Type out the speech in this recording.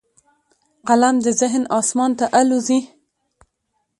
قلم د ذهن اسمان ته الوزي